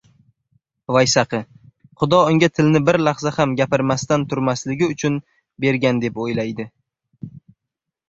• Vaysaqi Xudo unga tilni bir lahza ham gapirmasdan turmasligi uchun bergan deb o‘ylaydi.